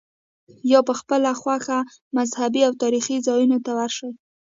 یا په خپله خوښه مذهبي او تاریخي ځایونو ته ورشې.